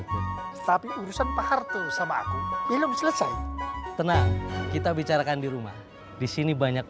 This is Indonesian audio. tapi urusan pak harto sama aku belum selesai tenang kita bicarakan di rumah disini banyak